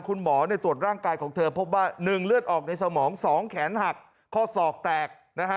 คุณหมอตรวจร่างกายของเธอพบว่า๑เลือดออกในสมอง๒แขนหักข้อศอกแตกนะฮะ